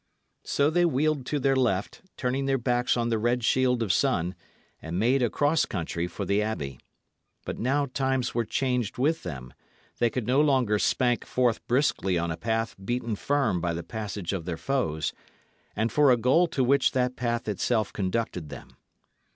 So they wheeled to their left, turning their backs on the red shield of sun, and made across country for the abbey. But now times were changed with them; they could no longer spank forth briskly on a path beaten firm by the passage of their foes, and for a goal to which that path itself conducted them.